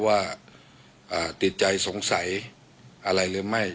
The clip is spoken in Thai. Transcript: ว่าติดใจสงสัยอะไรหรือไม่